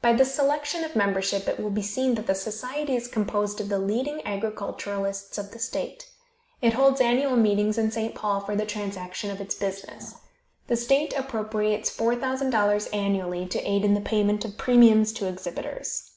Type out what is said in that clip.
By this selection of membership it will be seen that the society is composed of the leading agriculturists of the state. It holds annual meetings in St. Paul for the transaction of its business. The state appropriates $4,000 annually to aid in the payment of premiums to exhibitors.